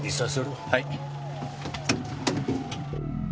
はい。